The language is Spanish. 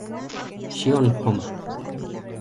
Shion Homma